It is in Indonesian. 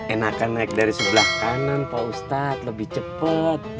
enakan naik dari sebelah kanan pak ustadz lebih cepat